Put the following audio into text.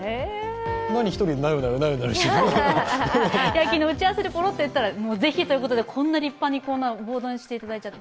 何、一人でなよなよして昨日、打ち合わせでぽろっと言ったら是非ということで、こんな立派にボードにしてもらっちゃって。